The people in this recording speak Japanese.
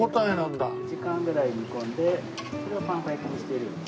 ２時間ぐらい煮込んでそれをパン粉焼きにしている。